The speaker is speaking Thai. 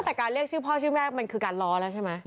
แต่การเรียกชื่อพ่อชื่อแม่มันคือการล้อแล้วใช่ไหม